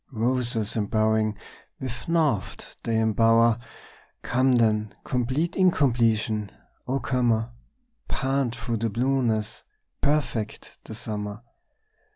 Roses embowering with naught they embower! Come then, complete incompletion, O comer, Pant through the blueness, perfect the summer!